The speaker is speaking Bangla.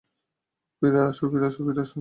ফিরে আসো, ফিরে আসো, ফিরে আসো।